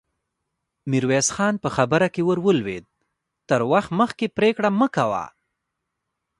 ميرويس خان په خبره کې ور ولوېد: تر وخت مخکې پرېکړه مه کوه!